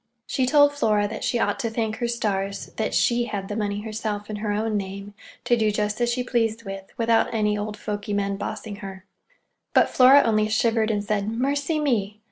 She told Flora that she ought to thank her stars that she had the money herself in her own name, to do just as she pleased with, without any old fogy men bossing her. But Flora only shivered and said "Mercy me!"